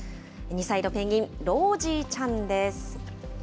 ２歳のペンギン、ロージーちゃんです。